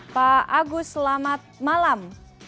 pak agus selamat malam